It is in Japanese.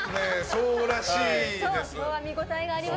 そうらしいです。